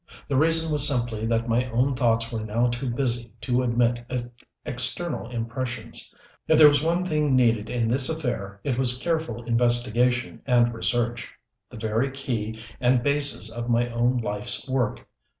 The reason was simply that my own thoughts were now too busy to admit external impressions. If there was one thing needed in this affair it was careful investigation and research the very key and basis of my own life's work.